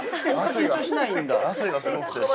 汗がすごくて。